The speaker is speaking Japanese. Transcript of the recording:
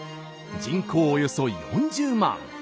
人口およそ４０万。